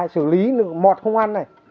xử lý mọt không ăn này